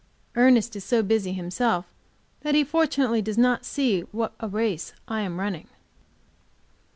Ernest is so busy himself that he fortunately does not see what a race I am running.